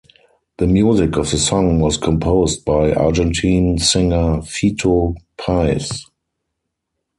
The music of the song was composed by Argentine singer Fito Paez.